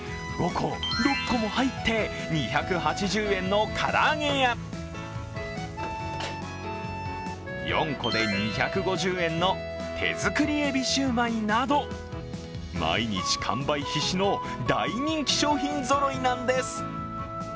５個、６個も入って２８０円の唐揚げや４個で２５０円の手作りエビシュウマイなど毎日完売必至の大人気商品ぞろいなんです。